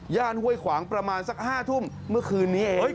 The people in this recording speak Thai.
ห้วยขวางประมาณสัก๕ทุ่มเมื่อคืนนี้เอง